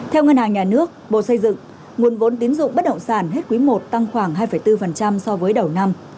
theo ngân hàng nhà nước bộ xây dựng nguồn vốn tín dụng bất động sản hết quý i tăng khoảng hai bốn so với đầu năm